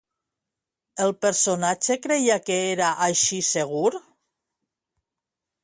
El personatge creia que era així segur?